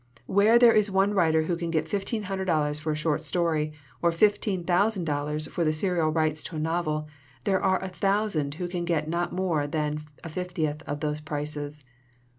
Where there is one writer who can get fifteen hundred dollars for a short story, or fifteen thousand dollars for the serial rights to a novel, there are a thousand who can get not more than a fifteenth of those prices.